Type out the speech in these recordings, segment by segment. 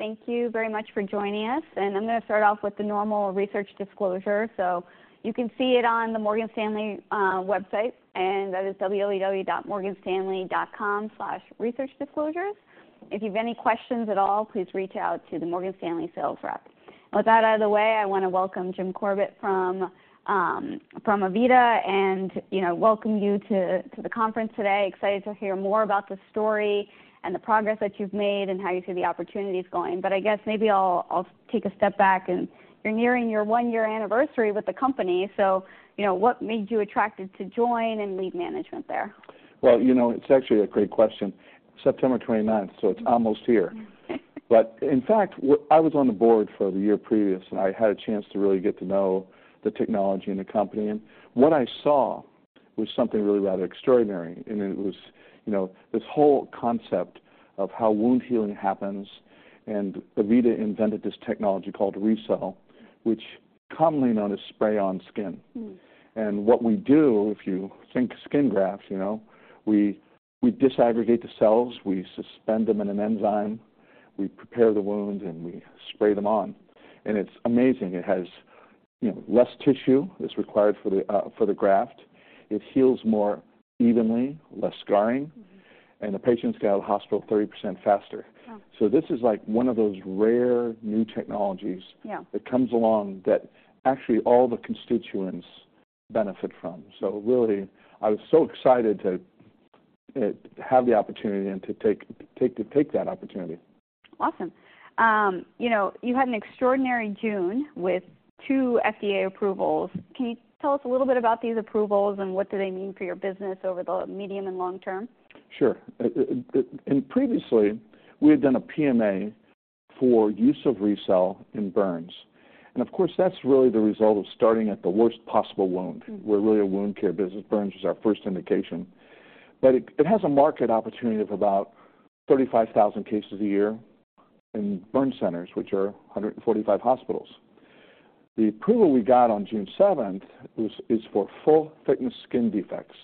Thank you very much for joining us, and I'm gonna start off with the normal research disclosure. So you can see it on the Morgan Stanley website, and that is www.morganstanley.com/researchdisclosures. If you've any questions at all, please reach out to the Morgan Stanley sales rep. With that out of the way, I wanna welcome Jim Corbett from AVITA, and, you know, welcome you to the conference today. Excited to hear more about the story and the progress that you've made and how you see the opportunities going. But I guess maybe I'll take a step back, and you're nearing your one-year anniversary with the company. So, you know, what made you attracted to join and lead management there? Well, you know, it's actually a great question. September 29th, so it's almost here. But in fact, I was on the board for the year previous, and I had a chance to really get to know the technology and the company, and what I saw was something really rather extraordinary. And it was, you know, this whole concept of how wound healing happens, and AVITA invented this technology called RECELL, which commonly known as spray-on skin. What we do, if you think skin grafts, you know, we disaggregate the cells, we suspend them in an enzyme, we prepare the wound, and we spray them on. It's amazing. It has, you know, less tissue that's required for the graft. It heals more evenly, less scarring and the patients get out of the hospital 30% faster. Wow! This is like one of those rare new technologies- Yeah... that comes along that actually all the constituents benefit from. So really, I was so excited to have the opportunity and to take that opportunity. Awesome. You know, you had an extraordinary June with two FDA approvals. Can you tell us a little bit about these approvals, and what do they mean for your business over the medium and long term? Sure. And previously, we had done a PMA for use of RECELL in burns, and of course, that's really the result of starting at the worst possible wound. We're really a wound care business. Burns is our first indication. But it has a market opportunity of about 35,000 cases a year in burn centers, which are 145 hospitals. The approval we got on June 7th is for full-thickness skin defects.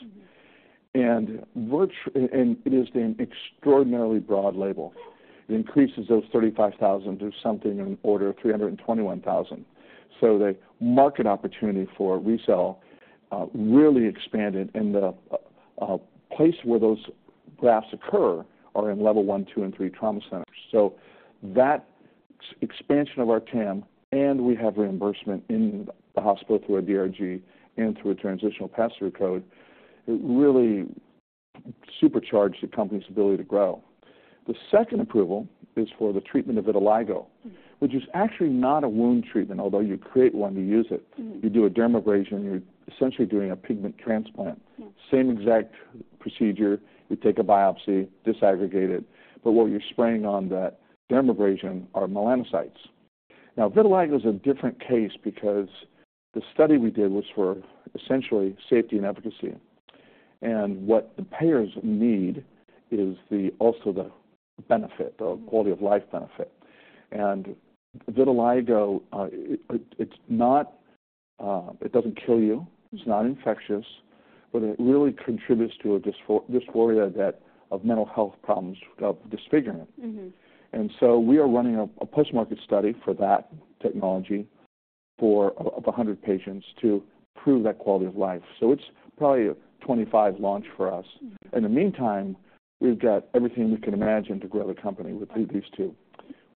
And it is an extraordinarily broad label. It increases those 35,000 to something in order of 321,000. So the market opportunity for RECELL really expanded, and the place where those grafts occur are in level one, two, and three trauma centers. So that expansion of our TAM, and we have reimbursement in the hospital through a DRG and through a transitional pass-through code, it really supercharged the company's ability to grow. The second approval is for the treatment of vitiligo which is actually not a wound treatment, although you create one to use it. You do a dermabrasion. You're essentially doing a pigment transplant. Yeah. Same exact procedure. You take a biopsy, disaggregate it, but what you're spraying on that dermabrasion are melanocytes. Now, vitiligo is a different case because the study we did was for essentially safety and efficacy. And what the payers need is the, also the benefit, the quality of life benefit. And vitiligo, it's not. It doesn't kill you. It's not infectious, but it really contributes to a dysphoria that of mental health problems of disfigurement. So we are running a post-market study for that technology for up to 100 patients to prove that quality of life. So it's probably a 25 launch for us. In the meantime, we've got everything we can imagine to grow the company with these, these two.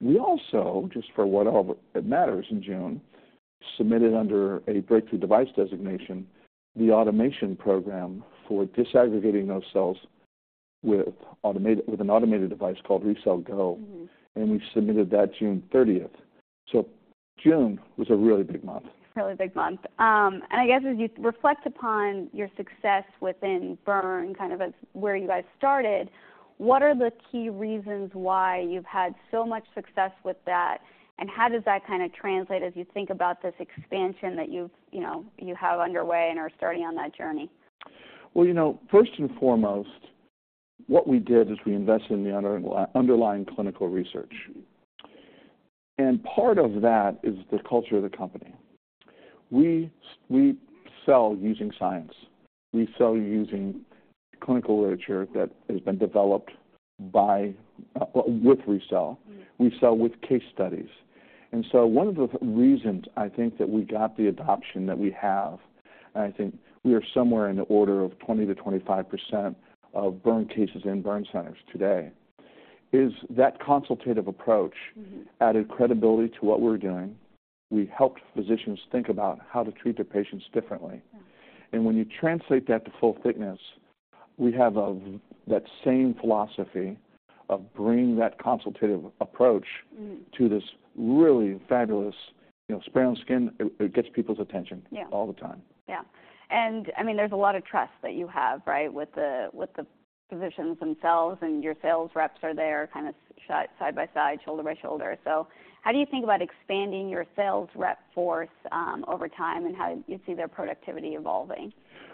We also, just for whatever it matters in June, submitted under a Breakthrough Device Designation, the automation program for disaggregating those cells with automated, with an automated device called RECELL GO. We've submitted that June thirtieth. June was a really big month. Really big month. And I guess as you reflect upon your success within burn, kind of as where you guys started, what are the key reasons why you've had so much success with that, and how does that kind of translate as you think about this expansion that you've, you know, you have underway and are starting on that journey? Well, you know, first and foremost, what we did is we invested in the underlying clinical research. Part of that is the culture of the company. We sell using science. We sell using clinical literature that has been developed by, with RECELL. We sell with case studies. And so one of the reasons I think that we got the adoption that we have, and I think we are somewhere in the order of 20%-25% of burn cases in burn centers today, is that consultative approach added credibility to what we're doing. We helped physicians think about how to treat their patients differently. Yeah. When you translate that to full thickness, we have that same philosophy of bringing that consultative approach to this really fabulous, you know, spray on skin. It, it gets people's attention- Yeah... all the time. Yeah. And, I mean, there's a lot of trust that you have, right? With the physicians themselves, and your sales reps are there, kind of, side by side, shoulder by shoulder. So how do you think about expanding your sales rep force over time, and how do you see their productivity evolving?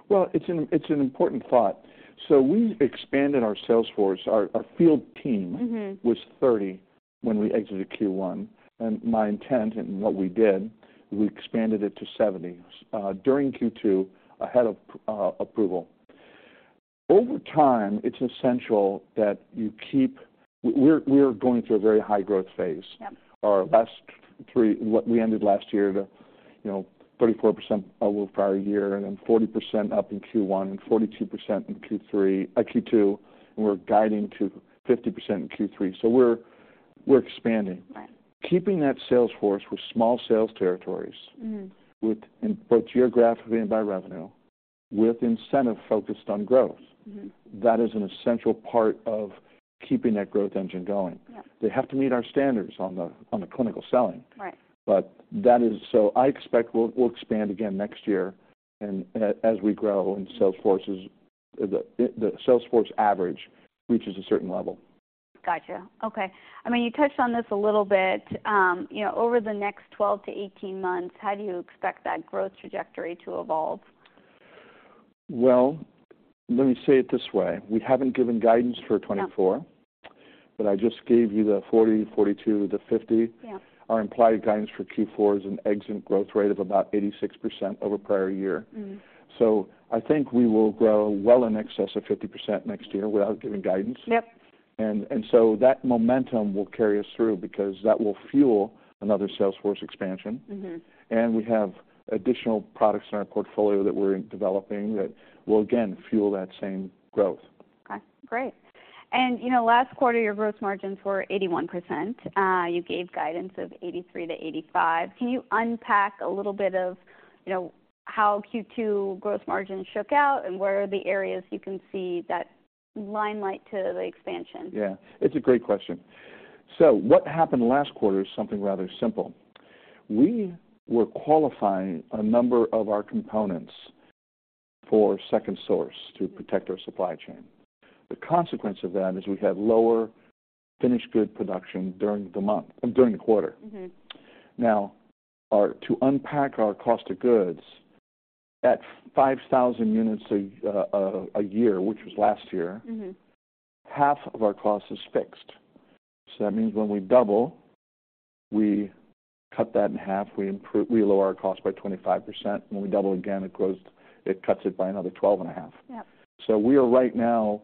Well, it's an important thought. So we expanded our sales force. Our field team was 30 when we exited Q1, and my intent and what we did, we expanded it to 70 during Q2, ahead of approval. Over time, it's essential that you keep. We're going through a very high growth phase. Yep. Our last three—what we ended last year to, you know, 34% over prior year, and then 40% up in Q1, and 42% in Q3, Q2, and we're guiding to 50% in Q3. So we're, we're expanding. Right. Keeping that sales force with small sales territories with, in both geographically and by revenue, with incentive focused on growth that is an essential part of keeping that growth engine going. Yep. They have to meet our standards on the clinical selling. Right. So I expect we'll expand again next year, and as we grow and sales forces, the sales force average reaches a certain level. Gotcha. Okay. I mean, you touched on this a little bit, you know, over the next 12-18 months, how do you expect that growth trajectory to evolve? Well, let me say it this way: We haven't given guidance for 24- Yeah. But I just gave you the 40, 42, the 50. Yeah. Our implied guidance for Q4 is an exit growth rate of about 86% over prior year. I think we will grow well in excess of 50% next year without giving guidance. Yep. So that momentum will carry us through because that will fuel another sales force expansion. We have additional products in our portfolio that we're developing that will, again, fuel that same growth. Okay, great. You know, last quarter, your growth margins were 81%. You gave guidance of 83%-85%. Can you unpack a little bit of, you know, how Q2 growth margins shook out, and where are the areas you can see that line of sight to the expansion? Yeah, it's a great question. So what happened last quarter is something rather simple. We were qualifying a number of our components for second source to protect our supply chain. The consequence of that is we had lower finished good production during the month, during the quarter. Now, to unpack our cost of goods at 5,000 units a year, which was last year. Half of our cost is fixed. So that means when we double, we cut that in half, we lower our cost by 25%. When we double again, it grows, it cuts it by another 12.5%. Yep. So we are right now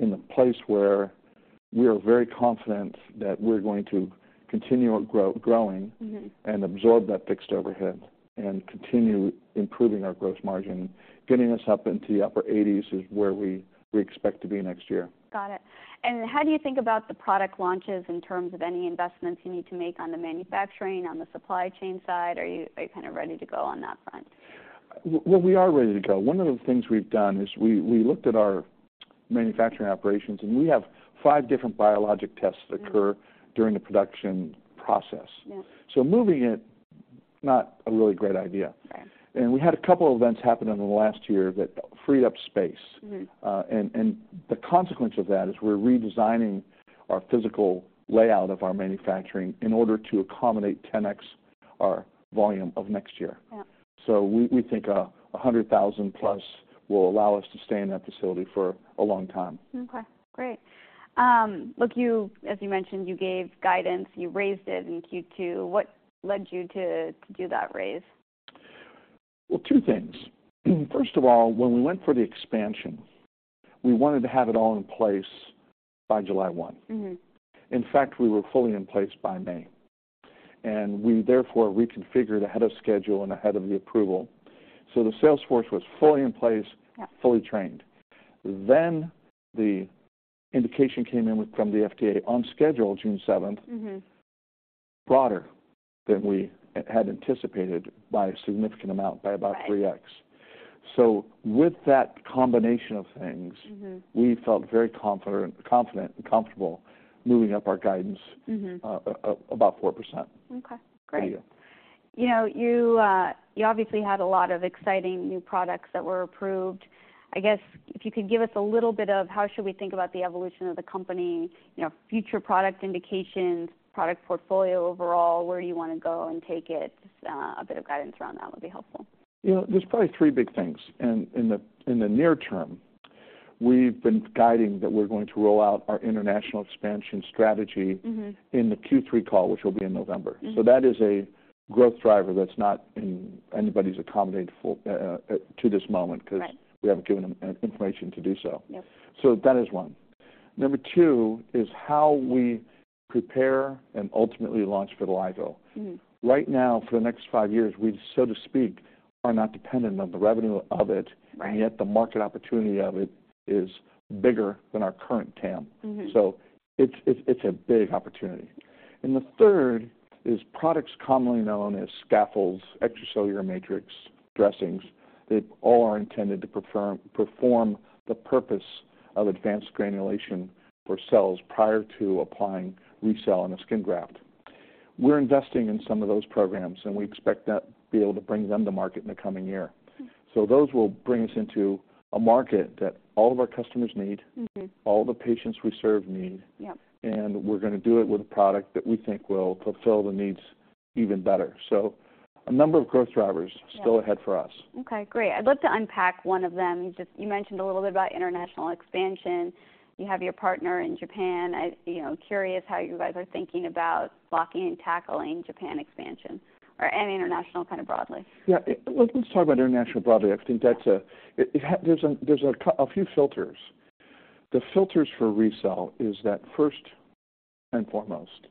in the place where we are very confident that we're going to continue our growing and absorb that fixed overhead and continue improving our gross margin. Getting us up into the upper 80s is where we expect to be next year. Got it. How do you think a bout the product launches in terms of any investments you need to make on the manufacturing, on the supply chain side? Are you, are you kind of ready to go on that front? Well, we are ready to go. One of the things we've done is we looked at our manufacturing operations, and we have five different biologic tests that occur during the production process. Yeah. Moving it, not a really great idea. Right. We had a couple of events happen in the last year that freed up space. The consequence of that is we're redesigning our physical layout of our manufacturing in order to accommodate 10x our volume of next year. Yeah. So we think 100,000+ will allow us to stay in that facility for a long time. Okay, great. Look, you, as you mentioned, you gave guidance, you raised it in Q2. What led you to do that raise? Well, two things. First of all, when we went for the expansion, we wanted to have it all in place by July 1. In fact, we were fully in place by May, and we therefore reconfigured ahead of schedule and ahead of the approval. So the sales force was fully in place- Yeah Fully trained. Then the indication came in with, from the FDA on schedule, June 7th, broader than we had anticipated by a significant amount, by about 3x. Right. So with that combination of things we felt very confident and comfortable moving up our guidance about 4%. Okay, great. There you go. You know, you obviously had a lot of exciting new products that were approved. I guess if you could give us a little bit of how should we think about the evolution of the company, you know, future product indications, product portfolio overall, where do you wanna go and take it? A bit of guidance around that would be helpful. You know, there's probably three big things, and in the near term, we've been guiding that we're going to roll out our international expansion strategy in the Q3 call, which will be in November. So that is a growth driver that's not in anybody's accounted for, to this moment- Right... 'cause we haven't given them information to do so. Yep. That is one. Number two is how we prepare and ultimately launch for vitiligo. Right now, for the next five years, we, so to speak, are not dependent on the revenue of it- Right... and yet the market opportunity of it is bigger than our current TAM. So it's a big opportunity. And the third is products commonly known as scaffolds, extracellular matrix, dressings. They all are intended to perform the purpose of advanced granulation for cells prior to applying RECELL on a skin graft. We're investing in some of those programs, and we expect that, be able to bring them to market in the coming year. Those will bring us into a market that all of our customers need all the patients we serve need. Yep. And we're gonna do it with a product that we think will fulfill the needs even better. So a number of growth drivers- Yeah ...still ahead for us. Okay, great. I'd love to unpack one of them. You mentioned a little bit about international expansion. You have your partner in Japan. You know, curious how you guys are thinking about blocking and tackling Japan expansion or any international, kind of, broadly. Yeah. Let's talk about international broadly. I think that's a- Yeah. There's a couple of filters. The filters for RECELL is that, first and foremost,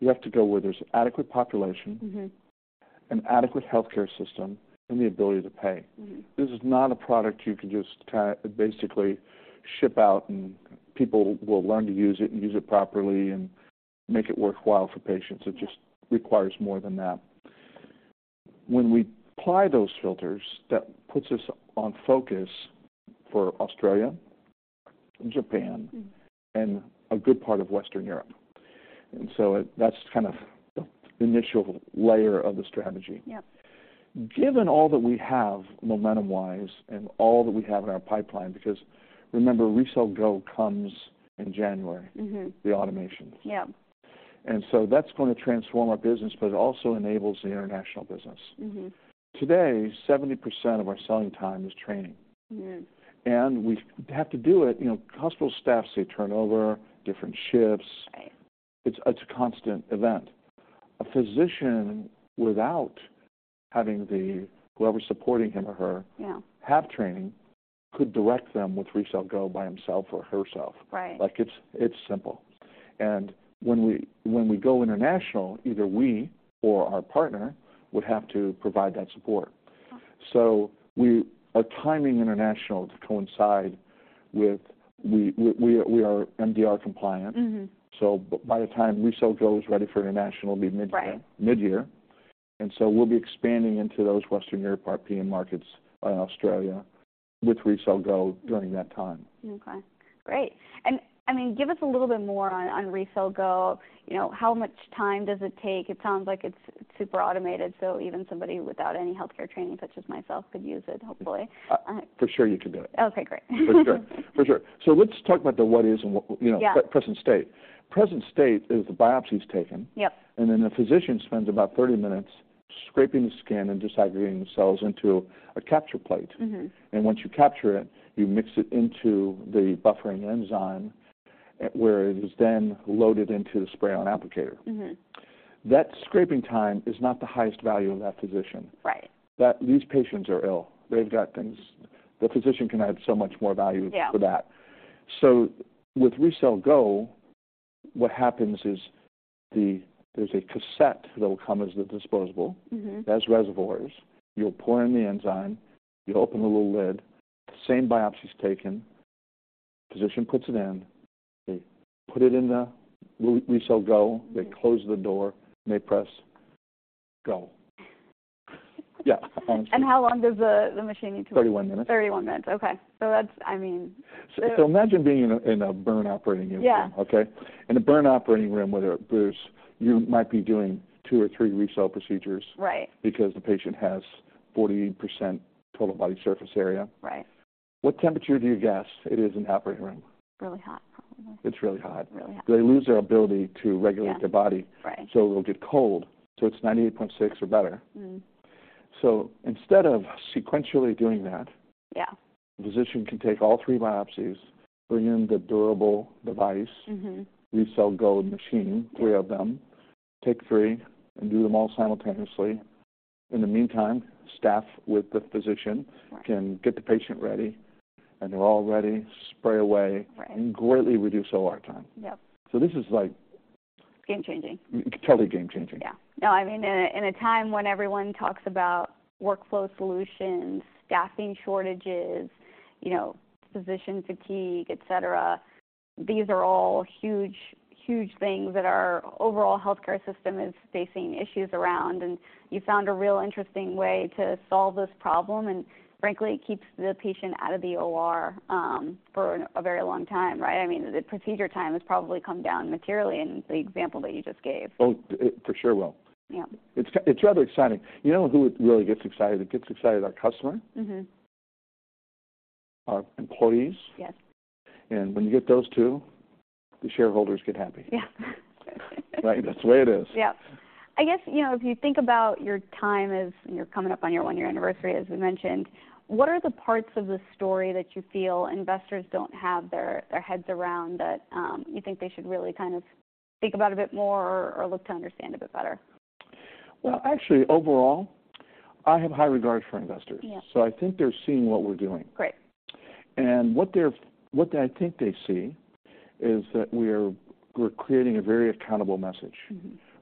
you have to go where there's adequate population an adequate healthcare system, and the ability to pay. This is not a product you can just basically ship out, and people will learn to use it and use it properly and make it worthwhile for patients. It just requires more than that. When we apply those filters, that puts us on focus for Australia, Japan and a good part of Western Europe. And so it, that's kind of the initial layer of the strategy. Yep. Given all that we have, momentum-wise, and all that we have in our pipeline, because remember, RECELL GO comes in January the automation. Yeah. And so that's gonna transform our business, but it also enables the international business. Today, 70% of our selling time is training. Yes. We have to do it. You know, hospital staffs, they turn over, different shifts. Right. It's a constant event. A physician without having the... whoever supporting him or her- Yeah Have training, could direct them with RECELL GO by himself or herself. Right. Like, it's simple. When we go international, either we or our partner would have to provide that support. Okay. So we are timing international to coincide with we are MDR compliant. So by the time RECELL GO is ready for international, it'll be midyear. Right. Midyear, and so we'll be expanding into those Western European markets and Australia with RECELL GO during that time. Okay, great. And, I mean, give us a little bit more on, on RECELL GO. You know, how much time does it take? It sounds like it's super automated, so even somebody without any healthcare training, such as myself, could use it, hopefully. For sure, you could do it. Okay, great. For sure. For sure. So let's talk about the what is and what, you know- Yeah... present state. Present state is the biopsy is taken. Yep. And then the physician spends about 30 minutes scraping the skin and disaggregating the cells into a capture plate. Once you capture it, you mix it into the buffering enzyme, where it is then loaded into the spray-on applicator. That scraping time is not the highest value of that physician. Right. That these patients are ill. They've got things. The physician can add so much more value- Yeah ...for that. So with RECELL GO, what happens is there's a cassette that will come as the disposable. It has reservoirs. You'll pour in the enzyme, you open the little lid, the same biopsy is taken, physician puts it in, they put it in the RECELL GO- Yeah They close the door, and they press go. Yeah, honestly. How long does the machine need to? 31 minutes. 31 minutes. Okay. So that's, I mean- Imagine being in a burn operating room. Yeah. Okay? In a burn operating room, whether there's... You might be doing two or three RECELL procedures- Right Because the patient has 40% total body surface area. Right. What temperature do you guess it is in the operating room? Really hot, probably. It's really hot. Really hot. They lose their ability to regulate- Yeah -their body. Right. They'll get cold. It's 98.6 or better. Mm-hmm. Instead of sequentially doing that- Yeah... the physician can take all three biopsies, bring in the durable device RECELL GO machine, three of them, take three, and do them all simultaneously. In the meantime, staff with the physician- Right can get the patient ready, and they're all ready, spray away. Right and greatly reduce OR time. Yep. This is like- Game changing. Totally game changing. Yeah. No, I mean, in a time when everyone talks about workflow solutions, staffing shortages, you know, physician fatigue, et cetera, these are all huge, huge things that our overall healthcare system is facing issues around. And you found a real interesting way to solve this problem, and frankly, it keeps the patient out of the OR for a very long time, right? I mean, the procedure time has probably come down materially in the example that you just gave. Oh, it for sure will. Yeah. It's it's rather exciting. You know, who really gets excited? It gets excited our customer our employees. Yes. When you get those two, the shareholders get happy. Yeah. Right. That's the way it is. Yep. I guess, you know, if you think about your time as you're coming up on your one-year anniversary, as we mentioned, what are the parts of the story that you feel investors don't have their heads around, that you think they should really kind of think about a bit more or look to understand a bit better? Well, actually, overall, I have high regard for investors. Yeah. I think they're seeing what we're doing. Great. What I think they see is that we're creating a very accountable message.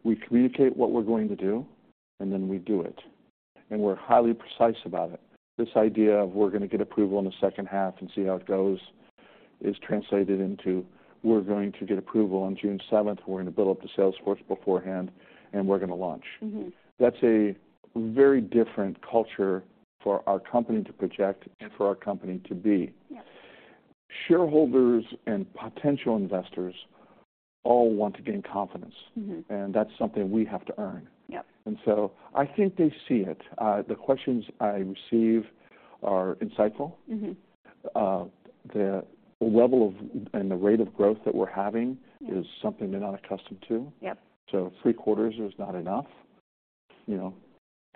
We communicate what we're going to do, and then we do it. We're highly precise about it. This idea of we're gonna get approval in the second half and see how it goes, is translated into, we're going to get approval on June seventh. We're gonna build up the sales force beforehand, and we're gonna launch. That's a very different culture for our company to project and for our company to be. Yep. Shareholders and potential investors all want to gain confidence. That's something we have to earn. Yep. And so I think they see it. The questions I receive are insightful. The level of, and the rate of growth that we're having- Yeah is something they're not accustomed to. Yep. Three quarters is not enough. You know,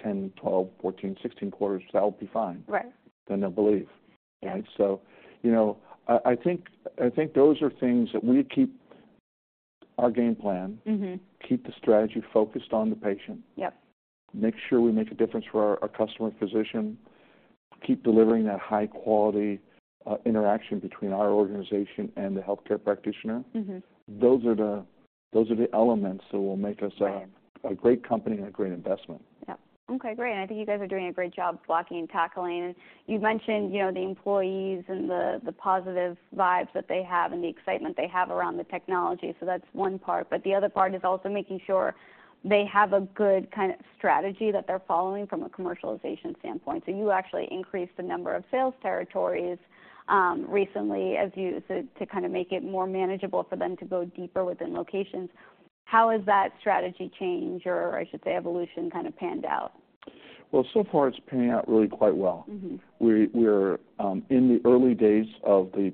10, 12, 14, 16 quarters, that would be fine. Right. Then they'll believe. Yeah. Right? So, you know, I, I think, I think those are things that we keep our game plan keep the strategy focused on the patient- Yep Make sure we make a difference for our, our customer and physician. Keep delivering that high-quality interaction between our organization and the healthcare practitioner. Those are the elements that will make us a- Right A great company and a great investment. Yeah. Okay, great. I think you guys are doing a great job blocking and tackling. You mentioned, you know, the employees and the positive vibes that they have and the excitement they have around the technology, so that's one part. But the other part is also making sure they have a good kind of strategy that they're following from a commercialization standpoint. So you actually increased the number of sales territories recently to kind of make it more manageable for them to go deeper within locations. How has that strategy change, or I should say, evolution, kind of panned out? Well, so far it's panning out really quite well. We're in the early days of the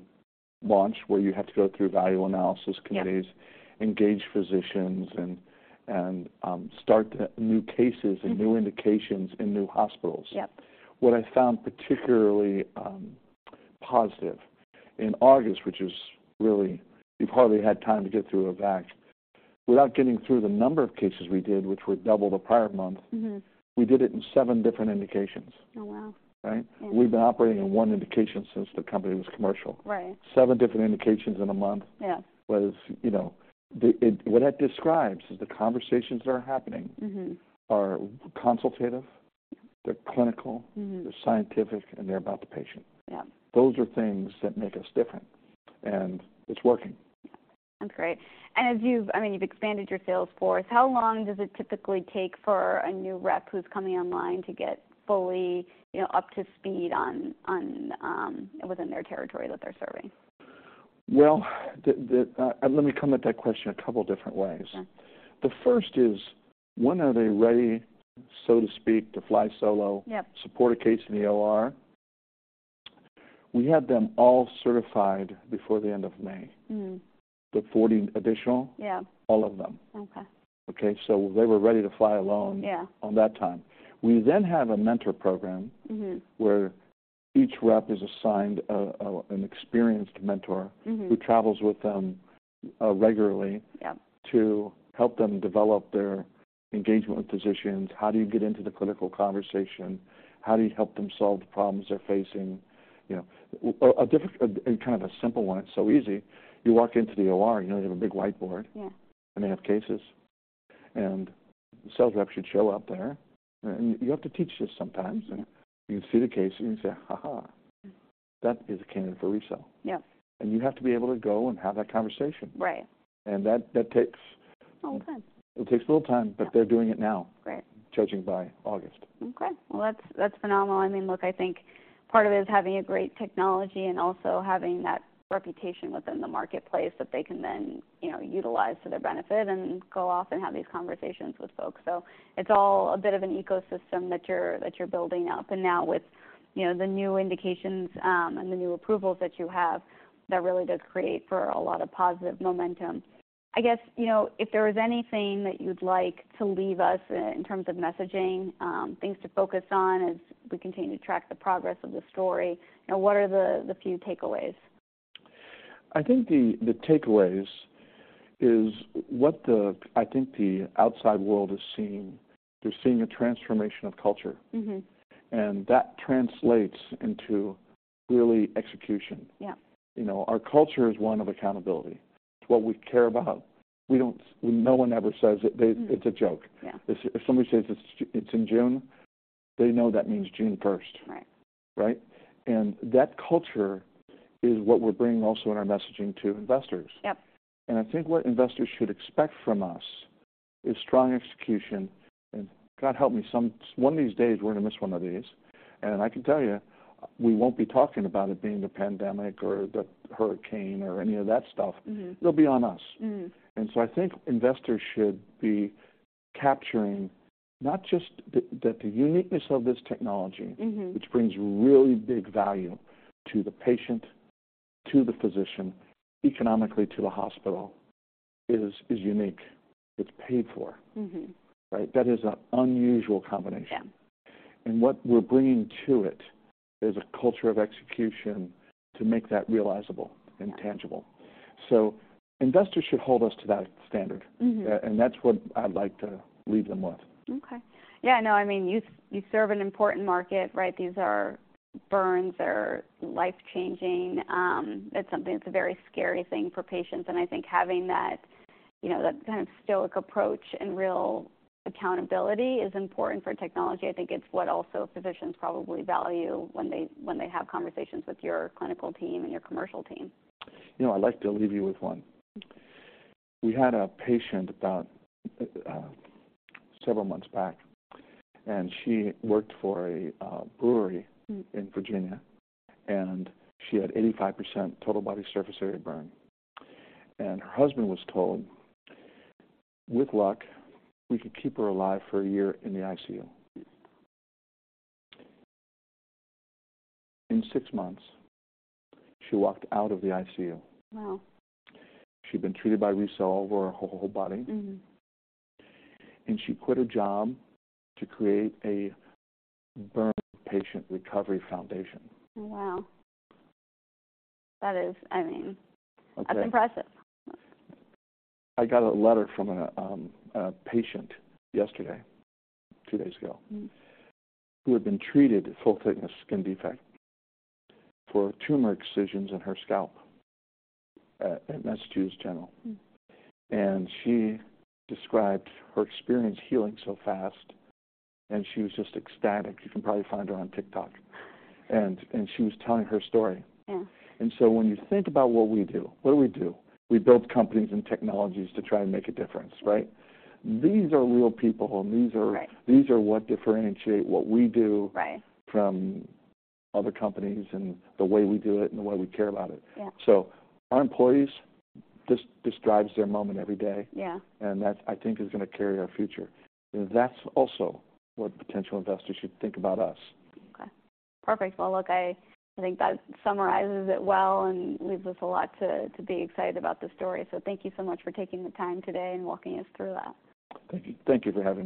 launch, where you have to go through Value Analysis Committees- Yeah... engage physicians, start new cases and new indications in new hospitals. Yep. What I found particularly positive in August, which is really you've hardly had time to get through VAC. Without getting through the number of cases we did, which were double the prior month we did it in seven different indications. Oh, wow! Right? Yeah. We've been operating in one indication since the company was commercial. Right. Seven different indications in a month- Yeah ...you know, what that describes is the conversations that are happening are consultative, they're clinical. They're scientific, and they're about the patient. Yeah. Those are things that make us different, and it's working. Okay. And as you've, I mean, you've expanded your sales force, how long does it typically take for a new rep who's coming online to get fully, you know, up to speed on, within their territory that they're serving? Well, let me come at that question a couple different ways. Sure. The first is, when are they ready, so to speak, to fly solo- Yep -support a case in the OR? We had them all certified before the end of May. The 40 additional? Yeah. All of them. Okay. Okay, so they were ready to fly alone- Yeah ...on that time. We then have a mentor program. Where each rep is assigned an experienced mentor who travels with them, regularly- Yeah ...to help them develop their engagement with physicians. How do you get into the clinical conversation? How do you help them solve the problems they're facing? You know, and kind of a simple one, it's so easy. You walk into the OR, you know, they have a big whiteboard and they have cases, and the sales rep should show up there, and you have to teach this sometimes. Yeah. You see the case and you say, "Ha, ha! That is a candidate for RECELL. Yeah. You have to be able to go and have that conversation. Right. That takes- A little time.... It takes a little time, but they're doing it now- Great Judging by August. Okay. Well, that's, that's phenomenal. I mean, look, I think part of it is having a great technology and also having that reputation within the marketplace that they can then, you know, utilize to their benefit and go off and have these conversations with folks. So it's all a bit of an ecosystem that you're, that you're building up. And now with, you know, the new indications, and the new approvals that you have, that really does create for a lot of positive momentum. I guess, you know, if there is anything that you'd like to leave us in terms of messaging, things to focus on as we continue to track the progress of the story, you know, what are the, the few takeaways? I think the takeaways is what I think the outside world is seeing. They're seeing a transformation of culture. That translates into really execution. Yeah. You know, our culture is one of accountability. It's what we care about. No one ever says it. It's a joke. Yeah. If somebody says it's in June, they know that means June first. Right. Right? And that culture is what we're bringing also in our messaging to investors. Yep. I think what investors should expect from us is strong execution, and God help me, one of these days, we're gonna miss one of these. And I can tell you, we won't be talking about it being the pandemic or the hurricane or any of that stuff. It'll be on us. I think investors should be capturing not just the uniqueness of this technology which brings really big value to the patient, to the physician, economically to the hospital, is unique. It's paid for. Right? That is an unusual combination. Yeah. What we're bringing to it is a culture of execution to make that realizable- Yeah -and tangible. So investors should hold us to that standard. That's what I'd like to leave them with. Okay. Yeah, no, I mean, you, you serve an important market, right? These are burns. They're life-changing. It's something that's a very scary thing for patients, and I think having that, you know, that kind of stoic approach and real accountability is important for technology. I think it's what also physicians probably value when they, when they have conversations with your clinical team and your commercial team. You know, I'd like to leave you with one. We had a patient about several months back, and she worked for a brewery in Virginia, and she had 85% total body surface area burn. And her husband was told, "With luck, we could keep her alive for a year in the ICU." In six months, she walked out of the ICU. Wow! She'd been treated by RECELL over her whole body. She quit her job to create a burn patient recovery foundation. Wow! That is... I mean- Okay... that's impressive. I got a letter from a patient yesterday, two days ago who had been treated full-thickness skin defect for tumor excisions in her scalp at Massachusetts General. She described her experience healing so fast, and she was just ecstatic. You can probably find her on TikTok. And she was telling her story. Yeah. And so when you think about what we do, what do we do? We build companies and technologies to try and make a difference, right? Yeah. These are real people, and these are- Right... these are what differentiate what we do- Right... from other companies and the way we do it and the way we care about it. Yeah. So our employees, this drives their moment every day. Yeah. That, I think, is gonna carry our future. That's also what potential investors should think about us. Okay. Perfect. Well, look, I, I think that summarizes it well and leaves us a lot to, to be excited about the story. So thank you so much for taking the time today and walking us through that. Thank you. Thank you for having me.